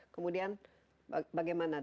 kemudian bagaimana dengan